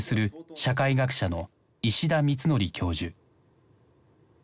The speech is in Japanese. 社会学者の石田光規教授。